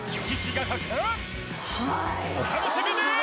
［お楽しみに！］